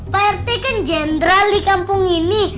pak rt kan jenderal di kampung ini